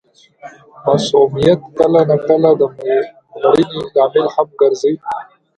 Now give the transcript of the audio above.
مسمومیت کله نا کله د مړینې لامل هم ګرځي.